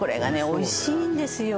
おいしいんですよ